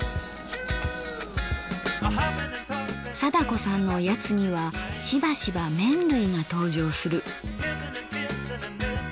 貞子さんのおやつにはしばしば麺類が登場する。